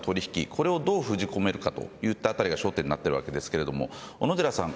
これをどう封じ込めるかといったあたりが焦点になっていますが小野寺さん。